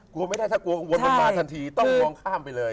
กลัวไม่ได้ถ้ากลัวข้างบนมันมาทันทีต้องมองข้ามไปเลย